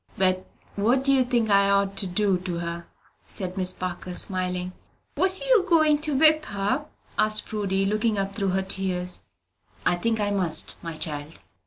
"But what do you think I ought to do to her?" said Miss Parker, smiling. "Was you goin' to whip her?" asked Prudy, looking up through her tears. "I think I must, my child."